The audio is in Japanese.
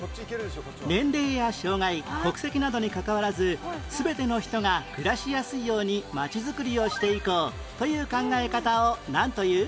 年齢や障がい国籍などにかかわらず全ての人が暮らしやすいようにまちづくりをしていこうという考え方をなんという？